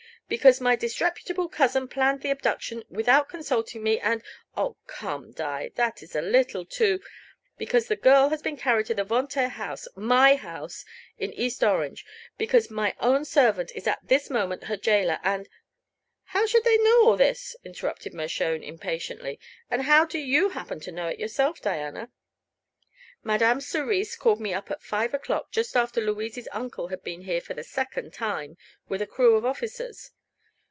Because my disreputable cousin planned the abduction, without consulting me, and " "Oh, come, Di; that's a little too " "Because the girl has been carried to the Von Taer house my house in East Orange; because my own servant is at this moment her jailor, and " "How should they know all this?" interrupted Mershone, impatiently. "And how do you happen to know it yourself, Diana?" "Madame Cerise called me up at five o'clock, just after Louise's uncle had been here for the second time, with a crew of officers.